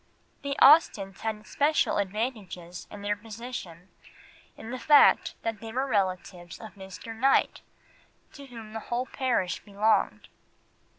The Austens had special advantages in their position in the fact that they were relatives of Mr. Knight, to whom the whole parish belonged.